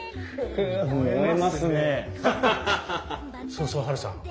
そうそうハルさん。